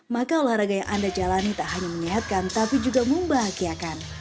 maka olahraga yang anda jalani tak hanya menyehatkan tapi juga membahagiakan